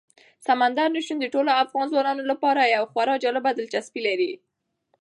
سمندر نه شتون د ټولو افغان ځوانانو لپاره یوه خورا جالب دلچسپي لري.